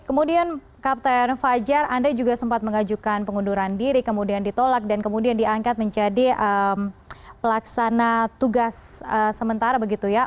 kemudian kapten fajar anda juga sempat mengajukan pengunduran diri kemudian ditolak dan kemudian diangkat menjadi pelaksana tugas sementara begitu ya